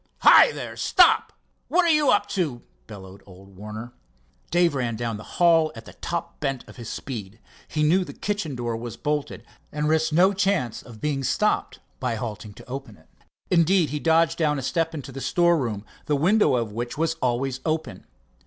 "Hi, there! Stop! What are you up to?" bellowed old Warner. Dave ran down the hall at the top bent of his speed. He knew the kitchen door was bolted, and risked no chance of being stopped by halting to open it. Indeed, he dodged down a step into a store room, the window of which was always open.